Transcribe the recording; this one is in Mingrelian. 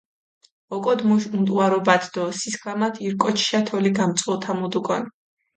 ოკოდჷ მუშ უნტუარობათ დო სისქვამათ ირკოჩშა თოლი გამწუჸოთამუდუკონ.